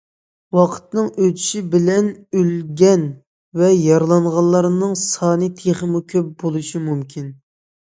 ۋاقىتنىڭ ئۆتۈشى بىلەن ئۆلگەن ۋە يارىلانغانلارنىڭ سانى تېخىمۇ كۆپ بولۇشى مۇمكىن.